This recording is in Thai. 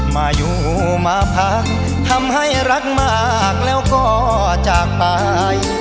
มาอยู่มาพักทำให้รักมากแล้วก็จากไป